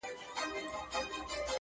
طبیعت هیلي او امیدونه ټول